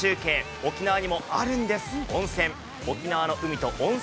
沖縄にもあるんです、温泉。